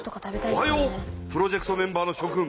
おはようプロジェクトメンバーのしょ君。